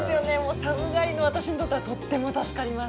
寒がりの私にとってはとっても助かります。